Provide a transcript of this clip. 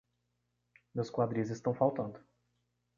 Meus quadris estão faltando.